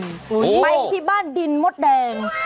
ไปที่บ้านดินมดแดง